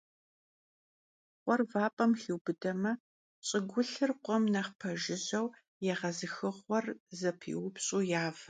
Khuer vap'em xiubıdeme, ş'ıgulhır khuem nexh pejjıjeu, yêğezıxığuer zepiupş'u yave.